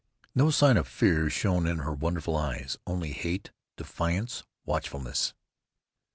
No sign of fear shone in her wonderful eyes, only hate, defiance, watchfulness.